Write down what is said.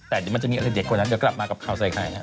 แต่เดี๋ยวมันจะมีอะไรเด็ดกว่านั้นเดี๋ยวกลับมากับข่าวใส่ไข่นะ